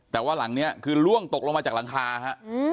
แต่ว่าหลังนี้คือล่วงตกลงมาจากหลังคาฮะ